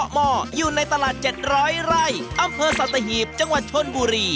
อำเภอสัตว์ตะหีบจังหวัดชนบุรี